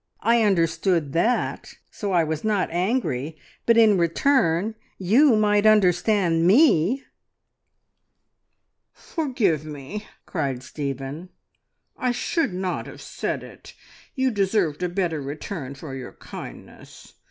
I understood that, so I was not angry, but in return you might understand me!" "Forgive me!" cried Stephen. "I should not have said it. You deserved a better return for your kindness.